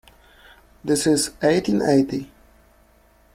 This is eighteen eighty.